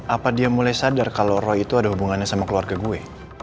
apa dia mulai sadar kalau roh itu ada hubungannya sama keluarga gue